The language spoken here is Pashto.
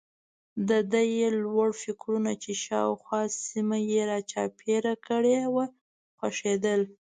د ده یې لوړ غرونه چې شاوخوا سیمه یې را چاپېره کړې وه خوښېدل.